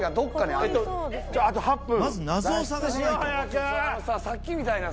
あと８分。